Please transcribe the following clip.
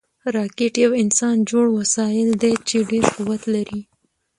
راکټ یو انسانجوړ وسایل دي چې ډېر قوت لري